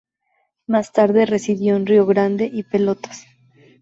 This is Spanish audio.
Más tarde residió en Río Grande y Pelotas.